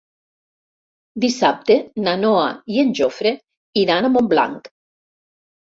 Dissabte na Noa i en Jofre iran a Montblanc.